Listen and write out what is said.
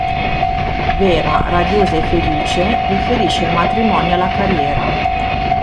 Vera, radiosa e felice, preferisce il matrimonio alla carriera.